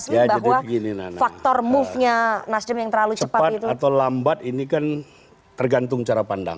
ya jadi karena faktor nasdem terlalu cepat mendeklarasikan anies baswedan mengganggu stabilitas